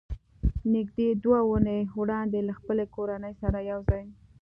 نږدې دوه اوونۍ وړاندې له خپلې کورنۍ سره یو ځای